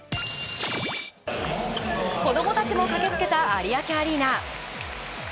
子供たちも駆け付けた有明アリーナ。